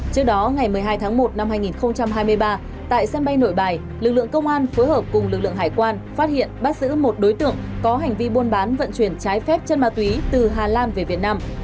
trước đó ngày một mươi hai tháng một năm hai nghìn hai mươi ba tại sân bay nội bài lực lượng công an phối hợp cùng lực lượng hải quan phát hiện bắt giữ một đối tượng có hành vi buôn bán vận chuyển trái phép chân ma túy từ hà lan về việt nam